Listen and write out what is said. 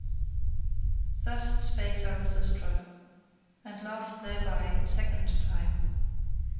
Thus spake Zarathustra, and laughed thereby a second time.